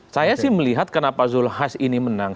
saya sih melihat kenapa zulkifli hasan ini menang